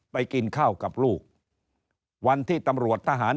กินข้าวกับลูกวันที่ตำรวจทหาร